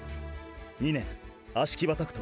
２年葦木場拓斗